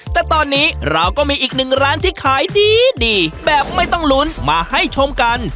แต่ตอนนี้เราก็มีอีกหนึ่งร้านที่ขายดีแบบไม่ต้องลุ้นมาให้ชมกัน